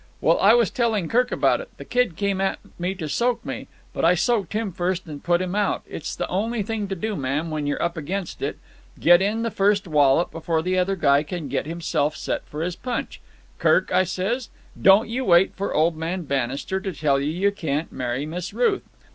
"Well, I was telling Kirk about it. The Kid came at me to soak me, but I soaked him first and put him out. It's the only thing to do, ma'am, when you're up against it. Get in the first wallop before the other guy can get himself set for his punch. 'Kirk,' I says, 'don't you wait for old man Bannister to tell you you can't marry Miss Ruth.